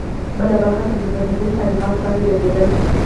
بله برخه پر مذهبي تعلیماتو باندې لګېدله.